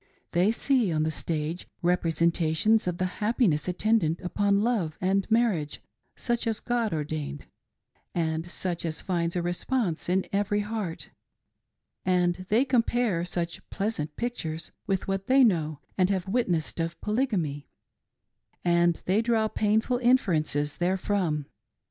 They see on the stage representations of the happiness attendant upon love and mar riage, such as God ordained, and such as finds a response in every heart ; and they compare such pleasant pictures with what they know and have witnessed of Polygamy, and they draw painful inferences therefrom.